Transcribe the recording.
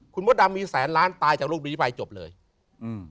คุณมดดำมีแสนล้านตายจากโรคบิริปรายจบเลยอืม